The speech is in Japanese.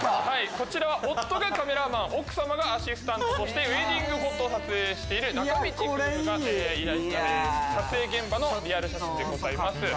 こちらは夫がカメラマン奥さまがアシスタントとしてウェディングフォト撮影している仲道夫婦が投稿した撮影現場のリアル写真でございます。